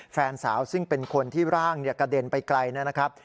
แฟนสาวซึ่งเป็นคนที่ร่างกระเด็นไปไกลนะครับ